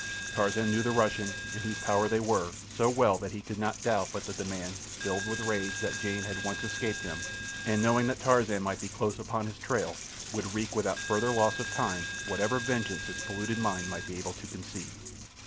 Tarzan knew the Russian, in whose power they were, so well that he could not doubt but that the man, filled with rage that Jane had once escaped him, and knowing that Tarzan might be close upon his trail, would wreak without further loss of time whatever vengeance his polluted mind might be able to conceive.